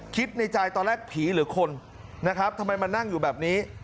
คิดในใจตอนแรกผีหรือคนนะครับทำไมมานั่งอยู่แบบนี้